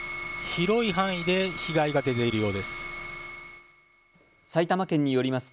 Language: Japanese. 広い範囲で被害が出ているようです。